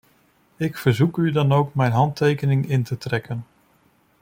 Ik verzoek u dan ook mijn handtekening in te trekken.